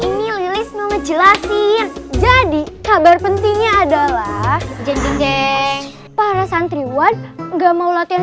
ini lili semuanya jelasin jadi kabar pentingnya adalah jeng jeng para santriwan enggak mau latihan